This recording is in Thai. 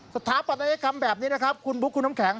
สถาปัตยกรรมแบบนี้นะครับคุณบุ๊คคุณน้ำแข็ง